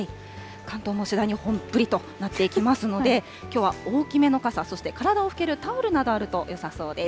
関東も次第に本降りとなっていきますので、きょうは大きめの傘、そして体を拭けるタオルなどあると、よさそうです。